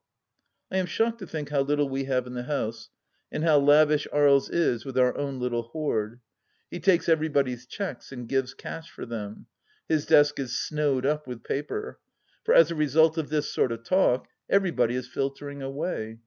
.,.." I am shocked to think how little we have in the house and how lavish Aries is with our own little hoard. He takes everybody's cheques and gives cash for them. His desk is snowed up with paper. For, as a result of this sort of talk, everybody is filtering away.